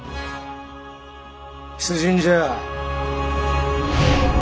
出陣じゃ。